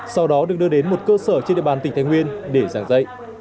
sau đó được đưa đến một cơ sở trên địa bàn tỉnh thái nguyên để giảng dạy